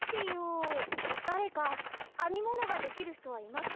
だれかあみものができるひとはいますか？